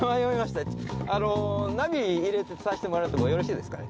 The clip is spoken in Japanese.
あのナビ入れさせてもらってもよろしいですかね？